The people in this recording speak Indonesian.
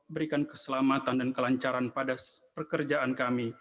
berikan keselamatan dan kelancaran pada pekerjaan kami